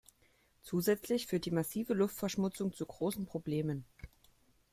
Zusätzlich führt die massive Luftverschmutzung zu großen Problemen.